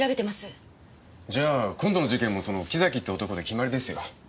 じゃあ今度の事件もその木崎って男で決まりですよ。